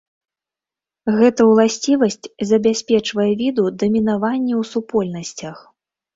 Гэта ўласцівасць забяспечвае віду дамінаванне ў супольнасцях.